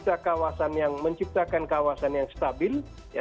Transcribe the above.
menghadirkan atau menciptakan kawasan yang stabil